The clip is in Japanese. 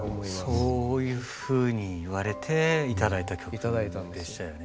そういうふうに言われて頂いた曲でしたよね。